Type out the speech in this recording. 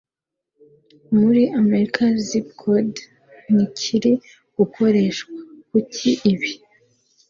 Muri Amerika Zip Code Ntikiri Gukoreshwa, Kuki Ibi